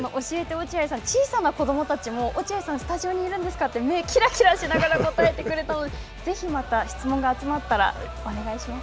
落合さん、小さな子どもたちも、落合さん、スタジオにいるんですかって、目をきらきらしながら答えてくれたので、ぜひまた質問が集まったらお願いします。